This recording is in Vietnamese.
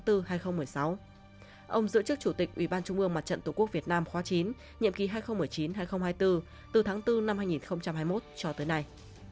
tháng sáu hai nghìn một mươi sáu ông giữ chức chủ tịch ủy ban trung ương mặt trận tổ quốc việt nam khóa chín nhiệm kỳ hai nghìn một mươi chín hai nghìn hai mươi bốn từ tháng bốn hai nghìn hai mươi một cho tới nay